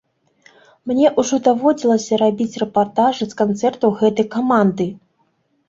Мне ўжо даводзілася рабіць рэпартажы з канцэртаў гэтай каманды.